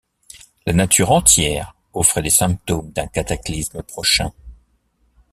La nature entière offrait les symptômes d’un cataclysme prochain.